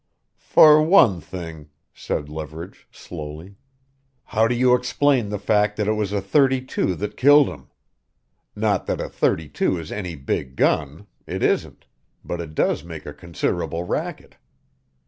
"For one thing," said Leverage slowly "how do you explain the fact that it was a.32 that killed him. Not that a .32 is any big gun it isn't but it does make a considerable racket."